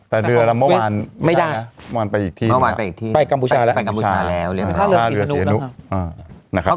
แต่เดือนละเมื่อวานไม่ได้นะไปกับกัมพูชาแล้วเรียกว่าพี่นุ่มไปกับกัมพูชา